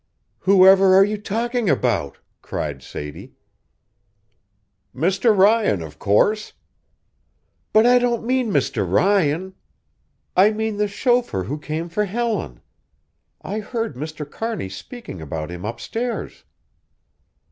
"Whoever are you talking about?" cried Sadie. "Mr. Ryan, of course." "But I don't mean Mr. Ryan I mean the chauffeur who came for Helen. I heard Mr. Kearney speaking about him upstairs."